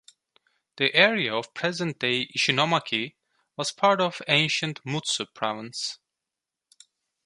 The area of present-day Ishinomaki was part of ancient Mutsu Province.